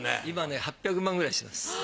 今ね８００万くらいします。